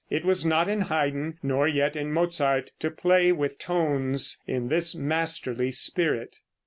It was not in Haydn, nor yet in Mozart, to play with tones in this masterly spirit.